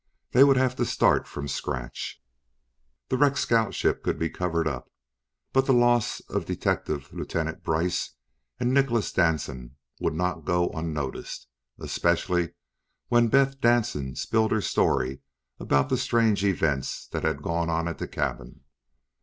They would have to start from scratch. The wrecked scout ship could be covered up, but the loss of Detective Lieutenant Brice and Nicholas Danson would not go unnoticed, especially when Beth Danson spilled her story about the strange events that had gone on at the cabin.